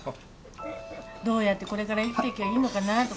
どうやってこれから生きていきゃいいのかなとかね。